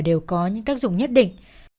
đều có những tác dụng nhất định